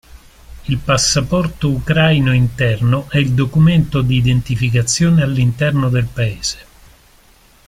Il passaporto ucraino interno è il documento di identificazione all'interno del paese.